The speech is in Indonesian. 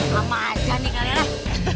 lama aja nih kalian eh